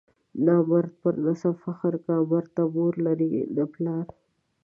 نامرد پر نسب فخر کا، مرد نه مور لري نه پلار.